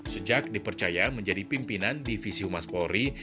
sejak dipercaya menjadi pimpinan divisi humas polri